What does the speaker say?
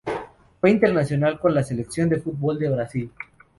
Fue internacional con la Selección de fútbol de Brasil.